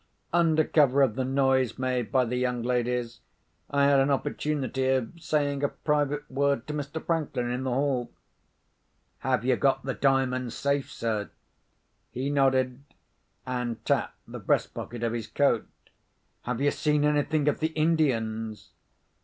Under cover of the noise made by the young ladies, I had an opportunity of saying a private word to Mr. Franklin in the hall. "Have you got the Diamond safe, sir?" He nodded, and tapped the breast pocket of his coat. "Have you seen anything of the Indians?"